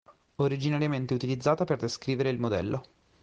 Originariamente utilizzata per descrivere il modello.